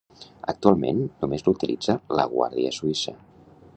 Actualment només l'utilitza la Guàrdia Suïssa.